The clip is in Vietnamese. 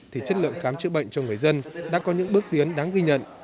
thì chất lượng khám chữa bệnh cho người dân đã có những bước tiến đáng ghi nhận